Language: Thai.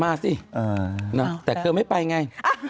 มาสิแต่เธอไม่ไปไง